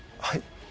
はい？